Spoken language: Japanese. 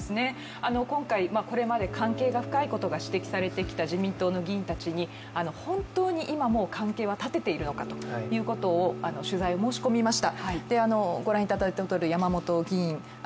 今回、これまで関係が深いことが指摘されてきた自民党の議員たちに本当に今も関係は絶てているのかを取材を申し込みました。